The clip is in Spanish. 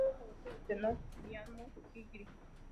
Era el teatro favorito del tenor Beniamino Gigli.